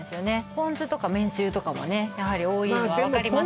ポン酢とかめんつゆとかもねやはり多いのは分かりますよね